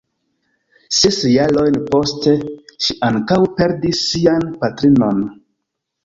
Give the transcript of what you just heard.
Ses jarojn poste, ŝi ankaŭ perdis sian patrinon.